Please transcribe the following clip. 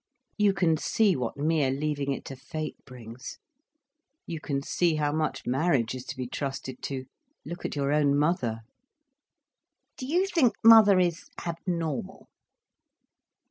You can see what mere leaving it to fate brings. You can see how much marriage is to be trusted to—look at your own mother." "Do you think mother is abnormal?"